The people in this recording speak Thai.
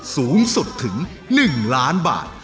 สูงสุดถึง๑ล้านบาท